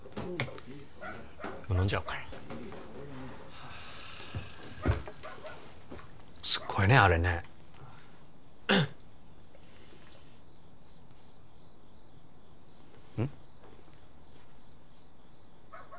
もう飲んじゃおっかなすっごいねあれねうん？